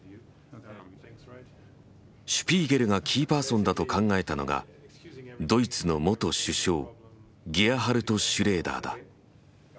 シュピーゲルがキーパーソンだと考えたのがドイツの元首相ゲアハルト・シュレーダーだ。